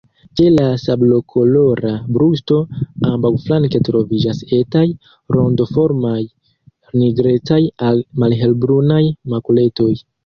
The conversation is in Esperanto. Ĉe la sablokolora brusto ambaŭflanke troviĝas etaj, rondoformaj nigrecaj al malhelbrunaj makuletoj.